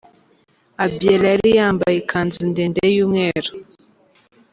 Abiella yari yambaye ikanzu ndende yumweru.